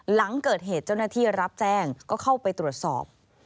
หลังเกิดเหตุเจ้าหน้าที่รับแจ้งก็เข้าไปตรวจสอบ